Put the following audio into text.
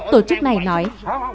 tổ chức này nói